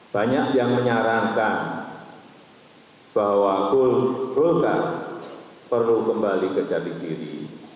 banyak yang menyarankan bahwa bulgar perlu kembali kejadian diri